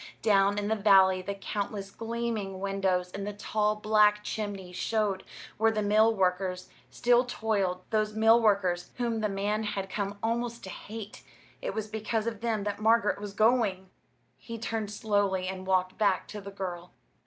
Down in the valley the countless gleaming windows and the tall black chimneys showed where the mill workers still toiled those mill workers whom the man had come almost to hate: it was because of them that Margaret was going! He turned slowly and walked back to the girl.